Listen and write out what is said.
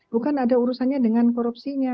bukan ada urusannya dengan korupsinya